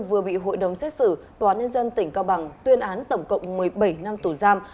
vừa bị hội đồng xét xử tòa nhân dân tỉnh cao bằng tuyên án tổng cộng một mươi bảy năm tù giam